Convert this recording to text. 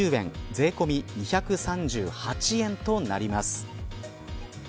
税込み２３８円となります。